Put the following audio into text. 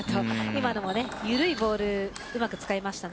今の緩いボールをうまく使いました。